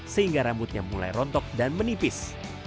sehingga rambutnya mulai rontok dan menipis